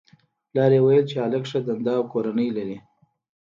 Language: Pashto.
پلار یې ویل چې هلک ښه دنده او کورنۍ لري